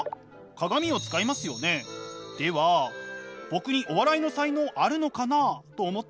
「僕にお笑いの才能あるのかな？」と思ったらどうします？